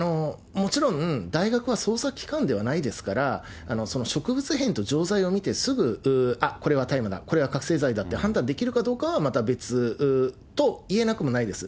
もちろん、大学は捜査機関ではないですから、植物片と錠剤を見て、すぐ、あっ、これは大麻だ、これは覚醒剤だって、判断できるかどうかはまた別と言えなくもないです。